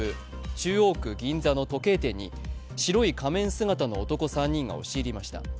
中央区銀座の時計店に白い仮面姿の男３人が押し入りました。